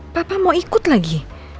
papa mau ikut lagi